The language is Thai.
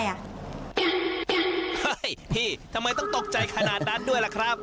พี่ทำไมต้องตกใจขนาดนั้นด้วยล่ะครับ